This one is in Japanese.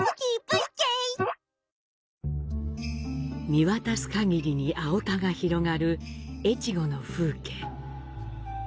見渡す限りに青田が広がる越後の風景。